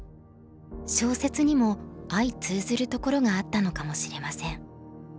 小説にも相通ずるところがあったのかもしれません。